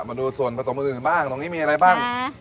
มาดูส่วนผสมอื่นบ้างตรงนี้มีอะไรบ้าง